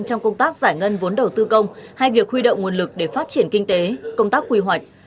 trong công tác giải ngân vốn đầu tư công hay việc huy động nguồn lực để phát triển kinh tế công tác quy hoạch